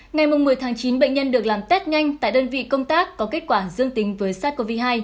ngày một mươi tháng chín bệnh nhân được làm test nhanh tại đơn vị công tác có kết quả dương tính với sars cov hai